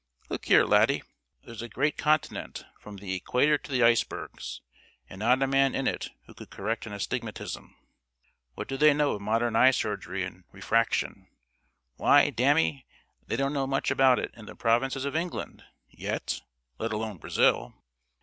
"Look here, laddie! There's a great continent from the equator to the icebergs, and not a man in it who could correct an astigmatism. What do they know of modern eye surgery and refraction? Why, dammy, they don't know much about it in the provinces of England yet, let alone Brazil.